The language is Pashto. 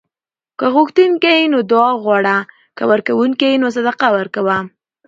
که غوښتونکی یې نو دعا غواړه؛ که ورکونکی یې نو صدقه ورکوه